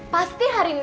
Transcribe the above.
pasti hari ini